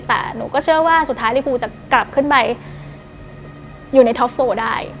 แต่หนูก็เชื่อว่าสุดท้ายลิฟูจะกลับขึ้นไปอยู่ในท็อปโฟลได้